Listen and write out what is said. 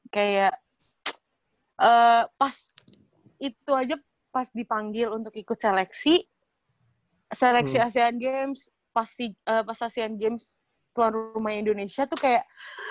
kayak pas itu aja pas dipanggil untuk ikut seleksi seleksi asean games asean games tuan rumah indonesia tuh kayak